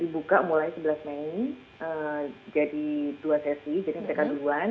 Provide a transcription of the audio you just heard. buka mulai sebelas mei jadi dua sesi jadi mereka duluan